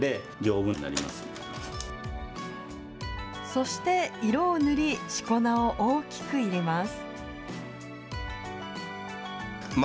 そして、色を塗り、しこ名を大きく入れます。